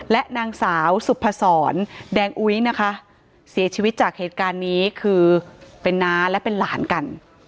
และนางสาวสุพศรแดงอุ๊ยนะคะเสียชีวิตจากเหตุการณ์นี้คือเป็นน้าและเป็นหลานกัน